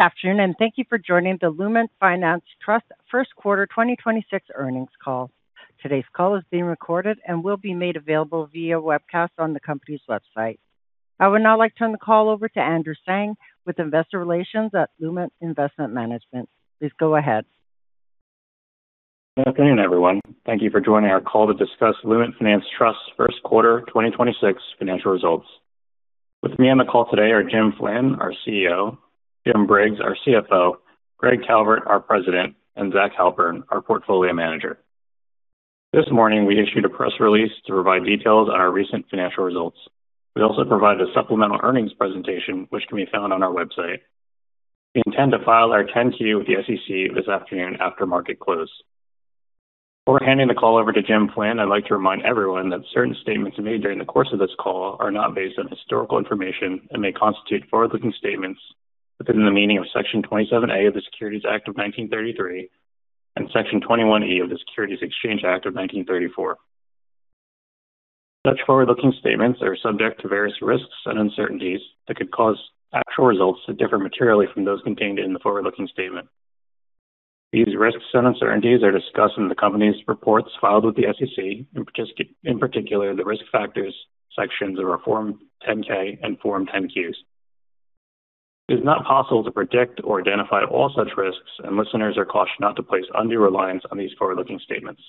Good afternoon, and thank you for joining the Lument Finance Trust first quarter 2026 earnings call. Today's call is being recorded and will be made available via webcast on the company's website. I would now like to turn the call over to Andrew Tsang with Investor Relations at Lument Investment Management. Please go ahead. Good afternoon, everyone. Thank you for joining our call to discuss Lument Finance Trust first quarter 2026 financial results. With me on the call today are James Flynn, our CEO, James Briggs, our CFO, Greg Calvert, our President, and Zachary Halpern, our Portfolio Manager. This morning, we issued a press release to provide details on our recent financial results. We also provided a supplemental earnings presentation which can be found on our website. We intend to file our 10-Q with the SEC this afternoon after market close. Before handing the call over to James Flynn, I'd like to remind everyone that certain statements made during the course of this call are not based on historical information and may constitute forward-looking statements within the meaning of Section 27A of the Securities Act of 1933 and Section 21E of the Securities Exchange Act of 1934. Such forward-looking statements are subject to various risks and uncertainties that could cause actual results to differ materially from those contained in the forward-looking statement. These risks and uncertainties are discussed in the company's reports filed with the SEC, in particular, the Risk Factors sections of our Form 10-K and Form 10-Qs. It is not possible to predict or identify all such risks, and listeners are cautioned not to place undue reliance on these forward-looking statements.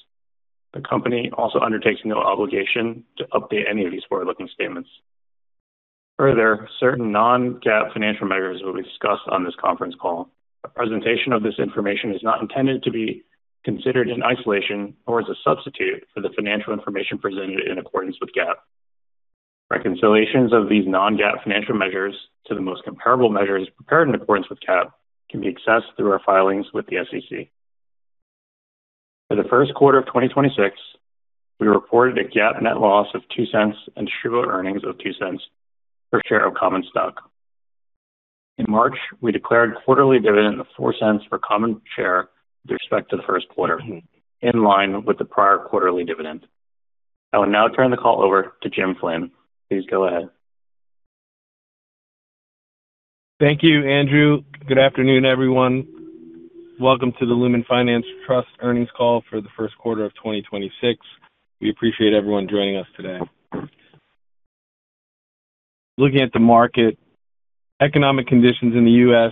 The company also undertakes no obligation to update any of these forward-looking statements. Further, certain non-GAAP financial measures will be discussed on this conference call. A presentation of this information is not intended to be considered in isolation or as a substitute for the financial information presented in accordance with GAAP. Reconciliations of these non-GAAP financial measures to the most comparable measures prepared in accordance with GAAP can be accessed through our filings with the SEC. For the first quarter of 2026, we reported a GAAP net loss of $0.02 and shareholder earnings of $0.02 per share of common stock. In March, we declared quarterly dividend of $0.04 per common share with respect to the first quarter, in line with the prior quarterly dividend. I will now turn the call over to Jim Flynn. Please go ahead. Thank you, Andrew. Good afternoon, everyone. Welcome to the Lument Finance Trust earnings call for the first quarter of 2026. We appreciate everyone joining us today. Looking at the market, economic conditions in the U.S.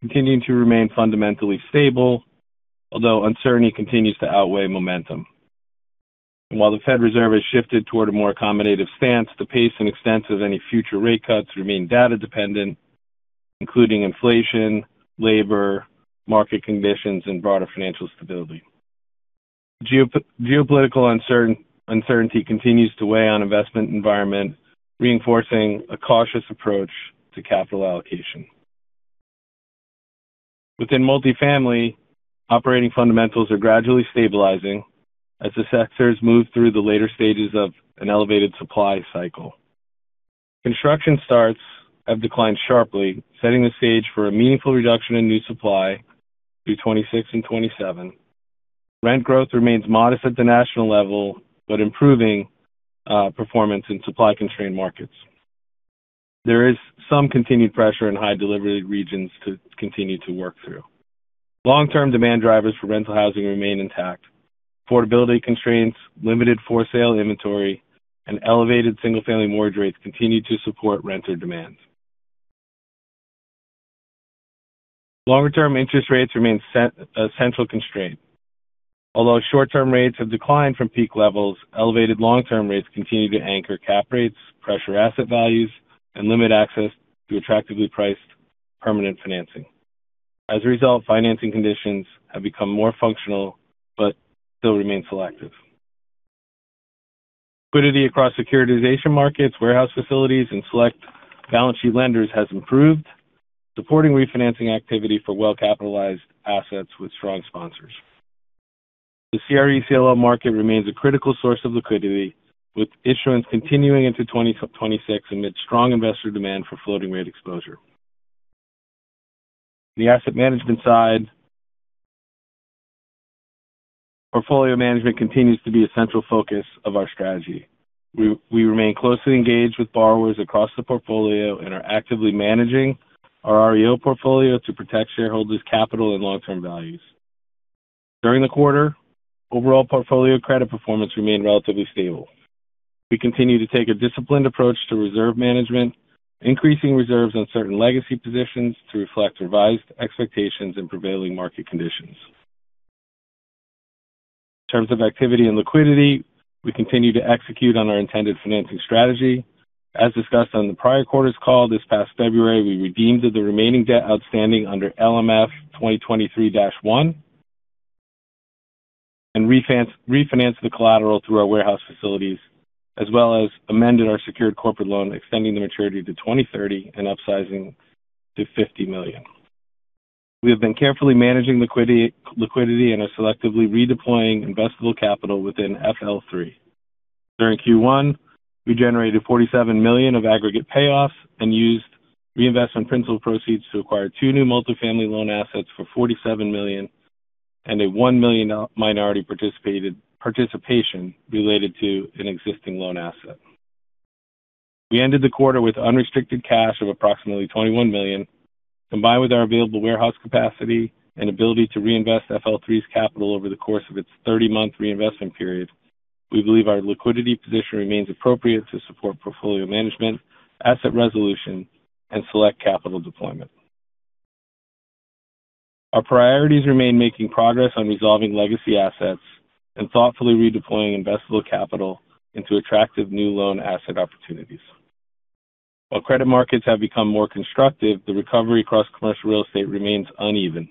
continuing to remain fundamentally stable, although uncertainty continues to outweigh momentum. While the Fed Reserve has shifted toward a more accommodative stance, the pace and extent of any future rate cuts remain data dependent, including inflation, labor, market conditions, and broader financial stability. Geopolitical uncertainty continues to weigh on investment environment, reinforcing a cautious approach to capital allocation. Within multifamily, operating fundamentals are gradually stabilizing as the sectors move through the later stages of an elevated supply cycle. Construction starts have declined sharply, setting the stage for a meaningful reduction in new supply through 2026 and 2027. Rent growth remains modest at the national level, but improving performance in supply-constrained markets. There is some continued pressure in high delivery regions to continue to work through. Long-term demand drivers for rental housing remain intact. Affordability constraints, limited for sale inventory, and elevated single-family mortgage rates continue to support renter demand. Longer-term interest rates remain a central constraint. Although short-term rates have declined from peak levels, elevated long-term rates continue to anchor cap rates, pressure asset values, and limit access to attractively priced permanent financing. Financing conditions have become more functional but still remain selective. Liquidity across securitization markets, warehouse facilities, and select balance sheet lenders has improved, supporting refinancing activity for well-capitalized assets with strong sponsors. The CRE CLO market remains a critical source of liquidity, with issuance continuing into 2026 amid strong investor demand for floating rate exposure. The asset management side. Portfolio management continues to be a central focus of our strategy. We remain closely engaged with borrowers across the portfolio and are actively managing our REO portfolio to protect shareholders' capital and long-term values. During the quarter, overall portfolio credit performance remained relatively stable. We continue to take a disciplined approach to reserve management, increasing reserves on certain legacy positions to reflect revised expectations and prevailing market conditions. In terms of activity and liquidity, we continue to execute on our intended financing strategy. As discussed on the prior quarter's call, this past February, we redeemed the remaining debt outstanding under LMF 2023-1 and refinanced the collateral through our warehouse facilities as well as amended our secured corporate loan, extending the maturity to 2030 and upsizing to $50 million. We have been carefully managing liquidity and are selectively redeploying investable capital within FL3. During Q1, we generated $47 million of aggregate payoffs and used reinvestment principal proceeds to acquire two new multifamily loan assets for $47 million and a $1 million minority participation related to an existing loan asset. We ended the quarter with unrestricted cash of approximately $21 million, combined with our available warehouse capacity and ability to reinvest FL3's capital over the course of its 30-month reinvestment period. We believe our liquidity position remains appropriate to support portfolio management, asset resolution, and select capital deployment. Our priorities remain making progress on resolving legacy assets and thoughtfully redeploying investable capital into attractive new loan asset opportunities. While credit markets have become more constructive, the recovery across commercial real estate remains uneven.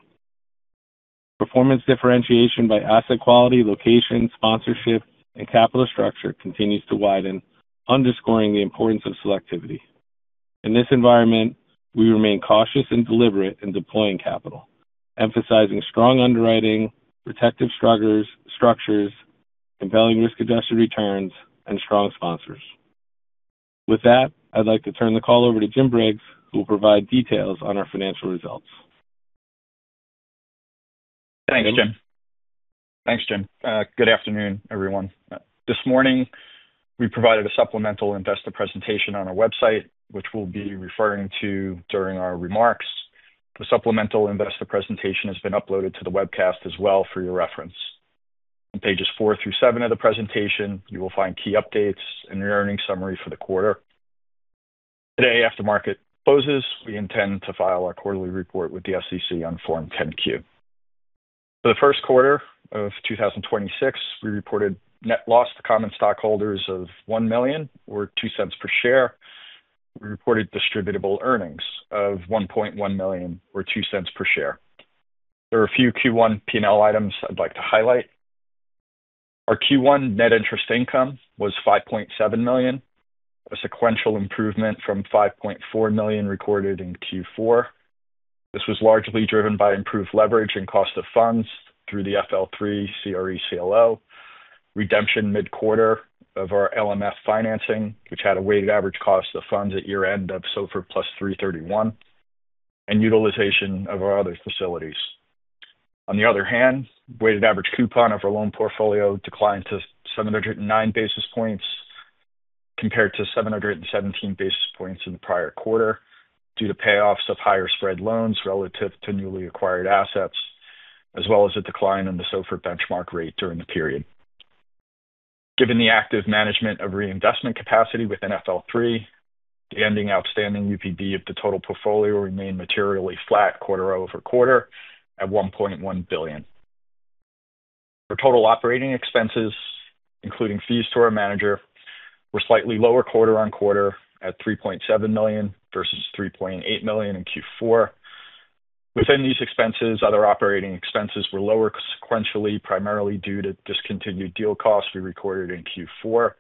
Performance differentiation by asset quality, location, sponsorship, and capital structure continues to widen, underscoring the importance of selectivity. In this environment, we remain cautious and deliberate in deploying capital, emphasizing strong underwriting, protective structures, compelling risk-adjusted returns, and strong sponsors. I'd like to turn the call over to Jim Briggs, who will provide details on our financial results. Thanks, Jim. Good afternoon, everyone. This morning, we provided a supplemental investor presentation on our website, which we'll be referring to during our remarks. The supplemental investor presentation has been uploaded to the webcast as well for your reference. On pages four through seven of the presentation, you will find key updates and your earnings summary for the quarter. Today, after market closes, we intend to file our quarterly report with the SEC on Form 10-Q. For the first quarter of 2026, we reported net loss to common stockholders of $1 million or $0.02 per share. We reported distributable earnings of $1.1 million or $0.02 per share. There are a few Q1 P&L items I'd like to highlight. Our Q1 net interest income was $5.7 million, a sequential improvement from $5.4 million recorded in Q4. This was largely driven by improved leverage and cost of funds through the FL3 CRE CLO, redemption mid-quarter of our LMF financing, which had a weighted average cost of funds at year-end of SOFR plus 331, and utilization of our other facilities. On the other hand, weighted average coupon of our loan portfolio declined to 709 basis points compared to 717 basis points in the prior quarter due to payoffs of higher spread loans relative to newly acquired assets, as well as a decline in the SOFR benchmark rate during the period. Given the active management of reinvestment capacity within FL 3, the ending outstanding UPB of the total portfolio remained materially flat quarter-over-quarter at $1.1 billion. Total operating expenses, including fees to our manager, were slightly lower quarter-on-quarter at $3.7 million versus $3.8 million in Q4. Within these expenses, other operating expenses were lower sequentially, primarily due to discontinued deal costs we recorded in Q4.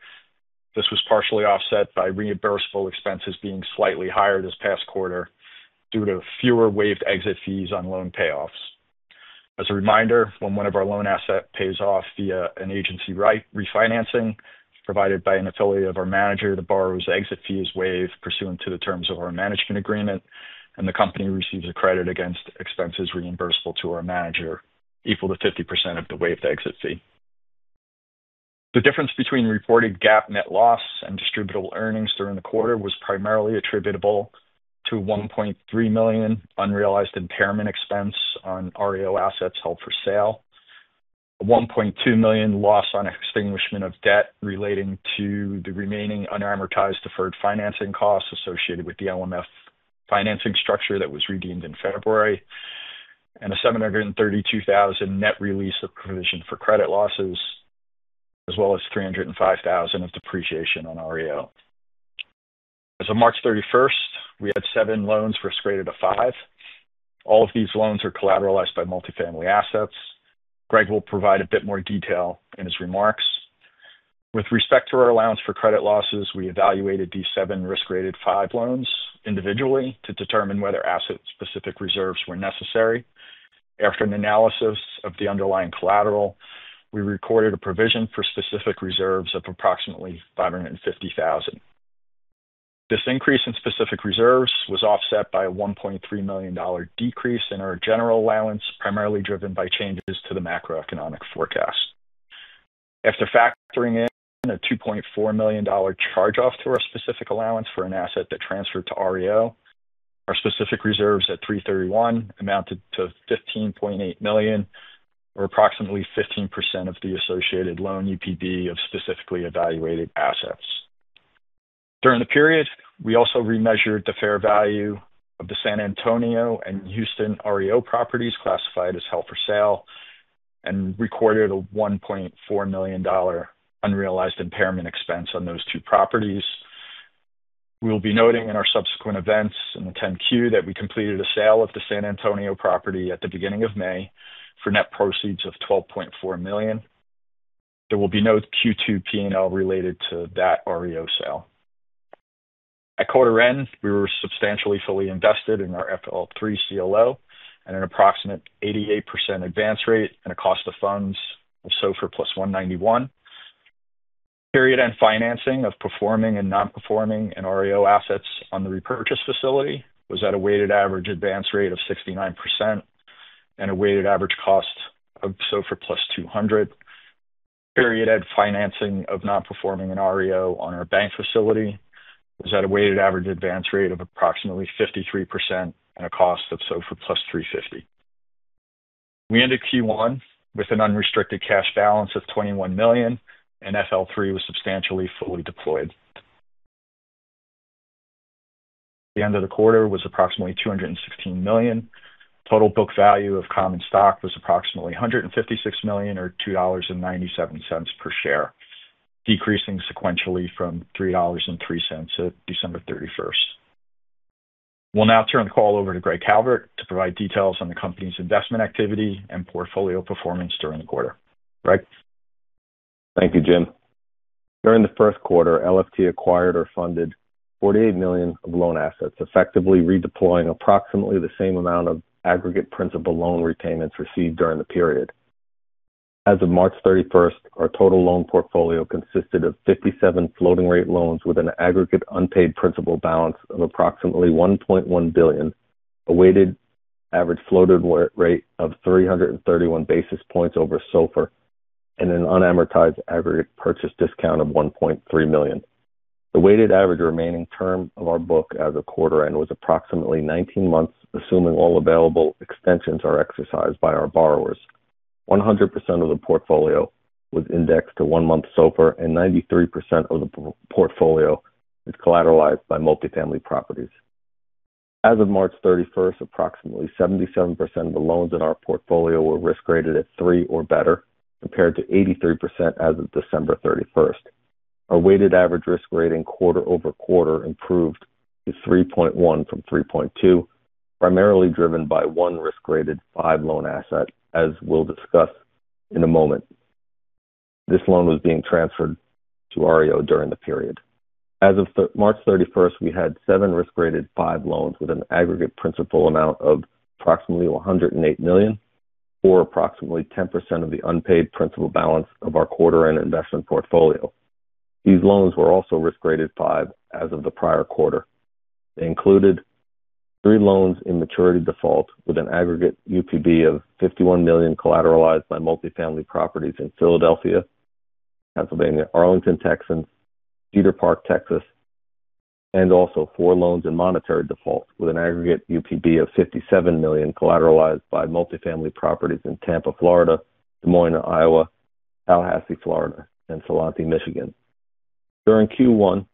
This was partially offset by reimbursable expenses being slightly higher this past quarter due to fewer waived exit fees on loan payoffs. As a reminder, when one of our loan asset pays off via an agency refinancing provided by an affiliate of our manager, the borrower's exit fee is waived pursuant to the terms of our management agreement, and the company receives a credit against expenses reimbursable to our manager equal to 50% of the waived exit fee. The difference between reported GAAP net loss and distributable earnings during the quarter was primarily attributable to $1.3 million unrealized impairment expense on REO assets held for sale, a $1.2 million loss on extinguishment of debt relating to the remaining unamortized deferred financing costs associated with the LMF financing structure that was redeemed in February, and a $732,000 net release of provision for credit losses, as well as $305,000 of depreciation on REO. As of March 31st, we had seven loans risk rated a five. All of these loans are collateralized by multifamily assets. Greg will provide a bit more detail in his remarks. With respect to our allowance for credit losses, we evaluated these seven risk-rated five loans individually to determine whether asset-specific reserves were necessary. After an analysis of the underlying collateral, we recorded a provision for specific reserves of approximately $550,000. This increase in specific reserves was offset by a $1.3 million decrease in our general allowance, primarily driven by changes to the macroeconomic forecast. After factoring in a $2.4 million charge-off to our specific allowance for an asset that transferred to REO, our specific reserves at 3/31 amounted to $15.8 million, or approximately 15% of the associated loan UPB of specifically evaluated assets. During the period, we also remeasured the fair value of the San Antonio and Houston REO properties classified as held for sale and recorded a $1.4 million unrealized impairment expense on those two properties. We'll be noting in our subsequent events in the 10-Q that we completed a sale of the San Antonio property at the beginning of May for net proceeds of $12.4 million. There will be no Q2 P&L related to that REO sale. At quarter end, we were substantially fully invested in our FL3 CLO at an approximate 88% advance rate and a cost of funds of SOFR plus 191. Period-end financing of performing and non-performing and REO assets on the repurchase facility was at a weighted average advance rate of 69%. A weighted average cost of SOFR plus 200. Period end financing of non-performing in REO on our bank facility was at a weighted average advance rate of approximately 53% and a cost of SOFR plus 350. We ended Q1 with an unrestricted cash balance of $21 million, and LMNT 2025-FL3 was substantially fully deployed. The end of the quarter was approximately $216 million. Total book value of common stock was approximately $156 million or $2.97 per share, decreasing sequentially from $3.03 at December 31st. We'll now turn the call over to Greg Calvert to provide details on the company's investment activity and portfolio performance during the quarter. Greg. Thank you, Jim. During the first quarter, LFT acquired or funded $48 million of loan assets, effectively redeploying approximately the same amount of aggregate principal loan retainage received during the period. As of March 31st, our total loan portfolio consisted of 57 floating rate loans with an aggregate unpaid principal balance of approximately $1.1 billion, a weighted average floated rate of 331 basis points over SOFR, and an unamortized aggregate purchase discount of $1.3 million. The weighted average remaining term of our book as of quarter-end was approximately 19 months, assuming all available extensions are exercised by our borrowers. 100% of the portfolio was indexed to one-month SOFR, and 93% of the portfolio is collateralized by multifamily properties. As of March 31st, approximately 77% of the loans in our portfolio were risk rated at three or better, compared to 83% as of December 31st. Our weighted average risk rating quarter-over-quarter improved to 3.1 from 3.2, primarily driven by one risk-rated five loan asset, as we'll discuss in a moment. This loan was being transferred to REO during the period. As of March 31st, we had seven risk-rated five loans with an aggregate principal amount of approximately $108 million, or approximately 10% of the unpaid principal balance of our quarter-end investment portfolio. These loans were also risk rated five as of the prior quarter. They included three loans in maturity default with an aggregate UPB of $51 million collateralized by multifamily properties in Philadelphia, Pennsylvania, Arlington, Texas, Cedar Park, Texas, and also four loans in monetary default with an aggregate UPB of $57 million collateralized by multifamily properties in Tampa, Florida, Des Moines, Iowa, Tallahassee, Florida, and Ypsilanti, Michigan. During Q1,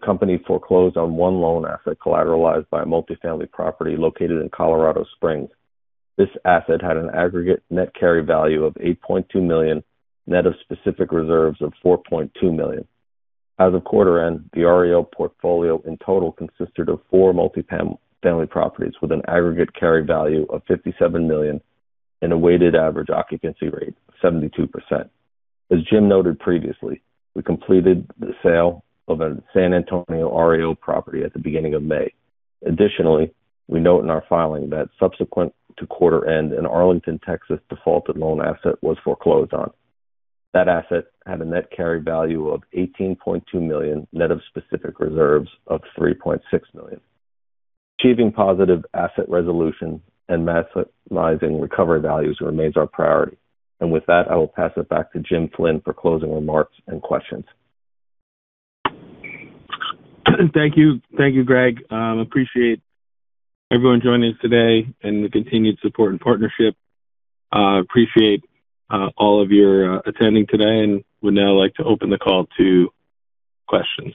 the company foreclosed on one loan asset collateralized by a multifamily property located in Colorado Springs. This asset had an aggregate net carry value of $8.2 million, net of specific reserves of $4.2 million. As of quarter end, the REO portfolio in total consisted of four multifamily properties with an aggregate carry value of $57 million and a weighted average occupancy rate of 72%. As Jim noted previously, we completed the sale of a San Antonio REO property at the beginning of May. Additionally, we note in our filing that subsequent to quarter end, an Arlington, Texas defaulted loan asset was foreclosed on. That asset had a net carry value of $18.2 million, net of specific reserves of $3.6 million. Achieving positive asset resolution and maximizing recovery values remains our priority. With that, I will pass it back to James Flynn for closing remarks and questions. Thank you. Thank you, Greg. Appreciate everyone joining us today and the continued support and partnership. Appreciate all of you attending today and would now like to open the call to questions.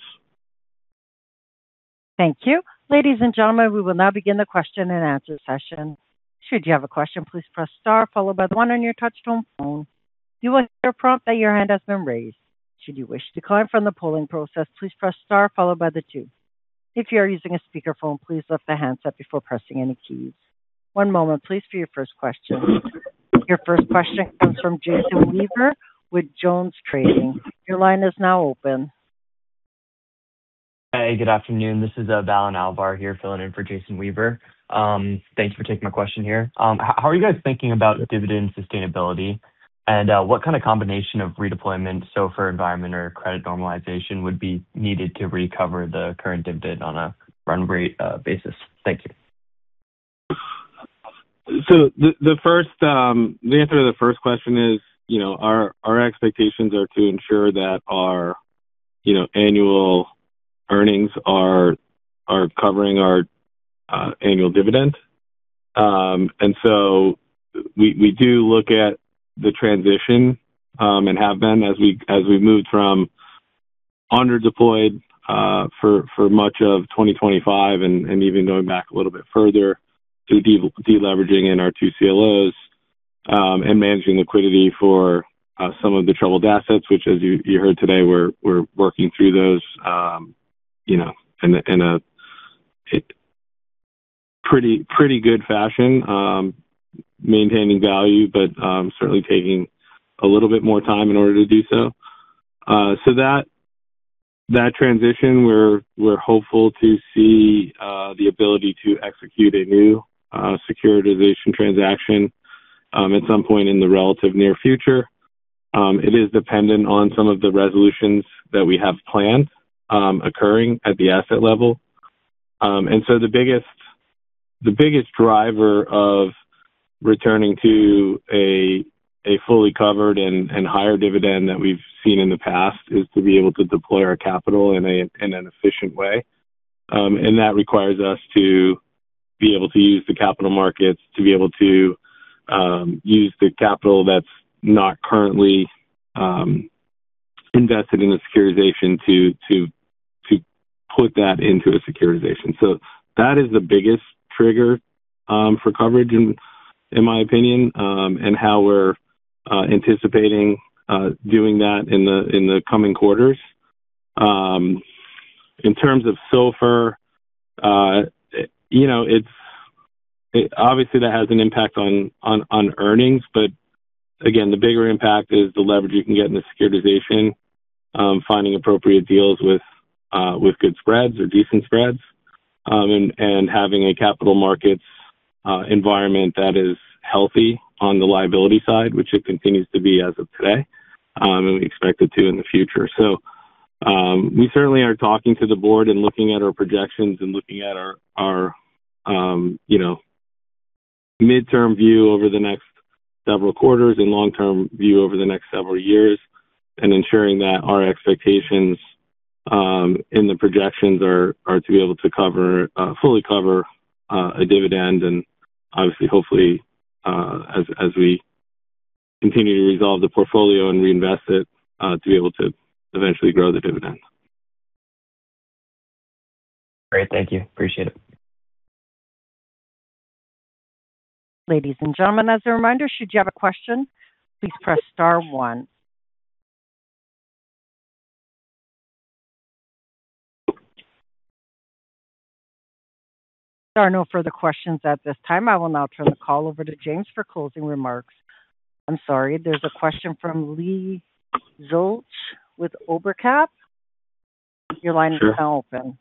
Your first question comes from Jason Weaver with Jones Trading. Your line is now open. Hey, good afternoon. This is Val Albar here filling in for Jason Weaver. Thanks for taking my question here. How are you guys thinking about dividend sustainability? What kind of combination of redeployment, SOFR environment or credit normalization would be needed to recover the current dividend on a run rate basis? Thank you. The answer to the first question is, you know, our expectations are to ensure that our, you know, annual earnings are covering our annual dividend. We do look at the transition and have been as we moved from under deployed for much of 2025 and even going back a little bit further to deleveraging in our two CLOs and managing liquidity for some of the troubled assets, which as you heard today, we're working through those, you know, in a pretty good fashion, maintaining value but certainly taking a little bit more time in order to do so. That transition, we're hopeful to see the ability to execute a new securitization transaction. At some point in the relative near future. It is dependent on some of the resolutions that we have planned, occurring at the asset level. The biggest driver of returning to a fully covered and higher dividend that we've seen in the past is to be able to deploy our capital in an efficient way. That requires us to be able to use the capital markets to be able to use the capital that's not currently invested in the securitization to put that into a securitization. That is the biggest trigger for coverage, in my opinion, and how we're anticipating doing that in the coming quarters. In terms of SOFR, you know, obviously that has an impact on earnings. Again, the bigger impact is the leverage you can get in the securitization, finding appropriate deals with good spreads or decent spreads, and having a capital markets environment that is healthy on the liability side, which it continues to be as of today, and we expect it to in the future. We certainly are talking to the board and looking at our projections and looking at our, you know, midterm view over the next several quarters and long-term view over the next several years and ensuring that our expectations in the projections are to be able to cover, fully cover, a dividend and obviously, hopefully, as we continue to resolve the portfolio and reinvest it, to be able to eventually grow the dividend. Great. Thank you. Appreciate it. Ladies and gentlemen, as a reminder, should you have a question, please press star one. There are no further questions at this time. I will now turn the call over to James for closing remarks. I'm sorry. There's a question from Lee Zoltz with Ober/Cap. Your line is now open.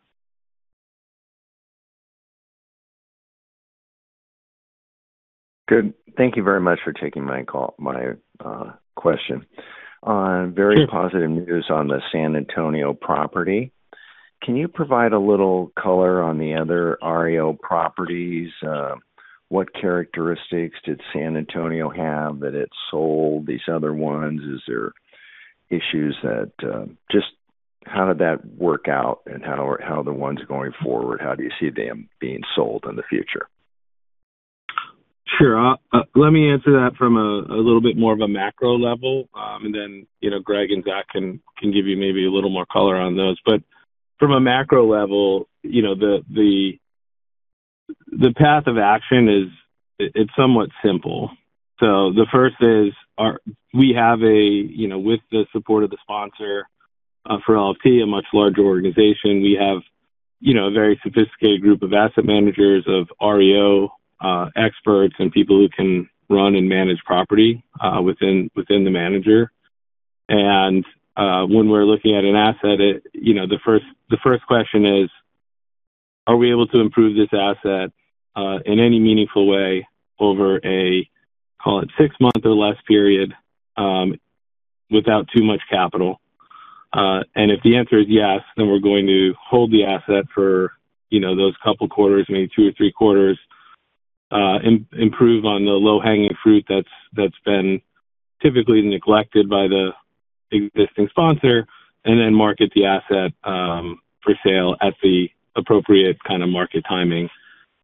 Good. Thank you very much for taking my call, my question. Sure. Very positive news on the San Antonio property. Can you provide a little color on the other REO properties? What characteristics did San Antonio have that it sold these other ones? Just how did that work out and how are the ones going forward, how do you see them being sold in the future? Sure. Let me answer that from a little bit more of a macro level, and then, you know, Greg and Zach can give you maybe a little more color on those. From a macro level, you know, the path of action is, it's somewhat simple. The first is we have a, you know, with the support of the sponsor for LP, a much larger organization. We have, you know, a very sophisticated group of asset managers, of REO experts and people who can run and manage property within the manager. When we're looking at an asset, you know, the first question is, are we able to improve this asset in any meaningful way over a, call it, six months or less period, without too much capital? If the answer is yes, then we're going to hold the asset for, you know, those couple quarters, maybe two or three quarters, improve on the low-hanging fruit that's been typically neglected by the existing sponsor, and then market the asset for sale at the appropriate kind of market timing.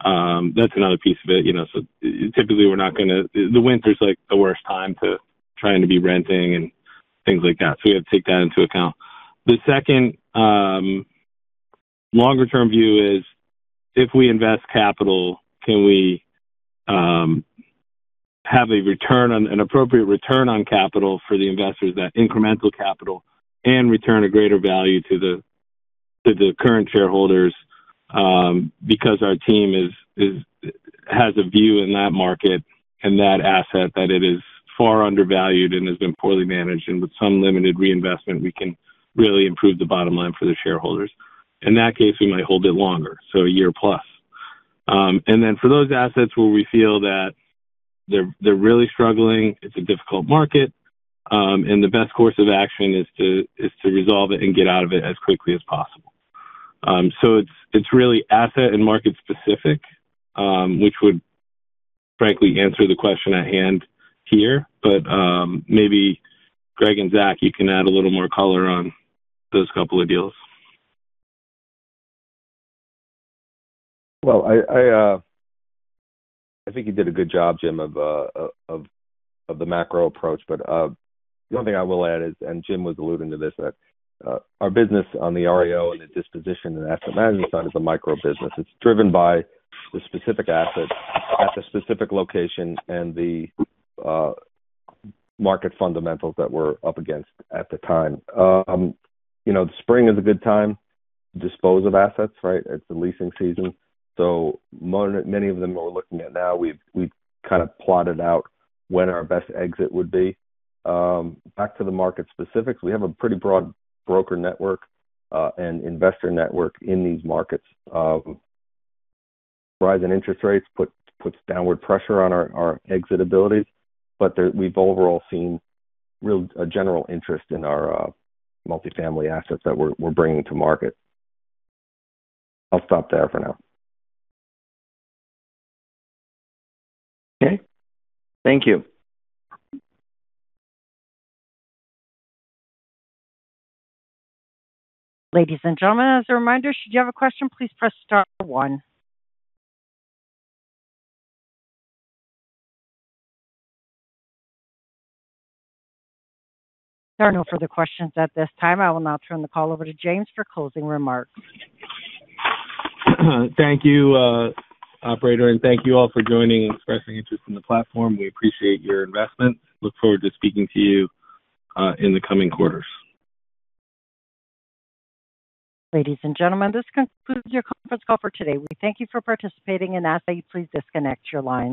That's another piece of it. You know, typically we're not gonna The winter is like the worst time to trying to be renting and things like that, so we have to take that into account. The second, longer term view is if we invest capital, can we have a return on an appropriate return on capital for the investors, that incremental capital, and return a greater value to the current shareholders, because our team is has a view in that market and that asset that it is far undervalued and has been poorly managed, and with some limited reinvestment, we can really improve the bottom line for the shareholders. In that case, we might hold it longer, so a year plus. And then for those assets where we feel that they're really struggling, it's a difficult market, and the best course of action is to resolve it and get out of it as quickly as possible. So it's really asset and market-specific, which would frankly answer the question at hand here. Maybe Greg and Zach, you can add a little more color on those couple of deals. I think you did a good job, Jim, of the macro approach. The only thing I will add is Jim was alluding to this, that our business on the REO and the disposition and asset management side is a micro business. It's driven by the specific assets at the specific location and the market fundamentals that we're up against at the time. You know, the spring is a good time to dispose of assets, right? It's the leasing season. Many of them we're looking at now, we've kind of plotted out when our best exit would be. Back to the market specifics, we have a pretty broad broker network and investor network in these markets. Rise in interest rates puts downward pressure on our exit abilities, but we've overall seen a general interest in our multifamily assets that we're bringing to market. I'll stop there for now. Okay. Thank you. Ladies and gentlemen, as a reminder, should you have a question, please press star one. There are no further questions at this time. I will now turn the call over to James for closing remarks. Thank you, operator, and thank you all for joining and expressing interest in the platform. We appreciate your investment. Look forward to speaking to you in the coming quarters. Ladies and gentlemen, this concludes your conference call for today. We thank you for participating and ask that you please disconnect your lines.